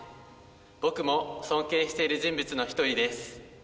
僕も尊敬している人物の一人です。